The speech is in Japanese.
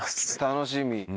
楽しみ。